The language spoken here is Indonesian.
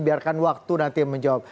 biarkan waktu nanti menjawab